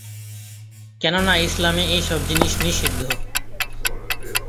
কেননা ইসলামে এইসব জিনিস নিষিদ্ধ।